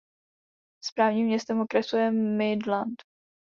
Správním městem okresu je Midland.